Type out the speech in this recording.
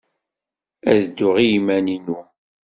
Ad dduɣ i yiman-inu.